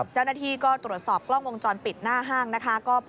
เจ้าหน้าที่ก็ตรวจสอบกล้องวงจรปิดหน้าห้างนะคะ